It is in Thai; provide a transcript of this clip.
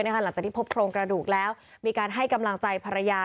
หลังจากที่พบโครงกระดูกแล้วมีการให้กำลังใจภรรยา